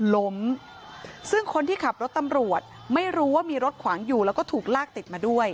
ล้มซึ่งคนที่ขับรถตำรวจไม่รู้ว่ามีรถขวางอยู่แล้วก็ถูกลากติดมาด้วย